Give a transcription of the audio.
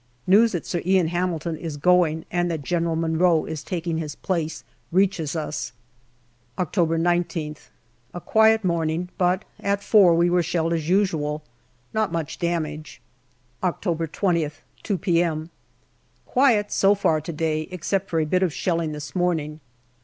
News that Sir Ian Hamilton is going and that General Munro is taking his place reaches us. October 19th. A quiet morning, but at four we were shelled as usual. Not much damage. October 20th, 2 p.m. Quiet so far to day, except for a bit of shelling this morning.